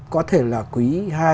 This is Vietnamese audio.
có thể là quý hai